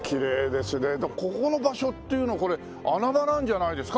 ここの場所っていうのは穴場なんじゃないですか？